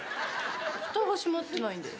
ふたが閉まってないんで。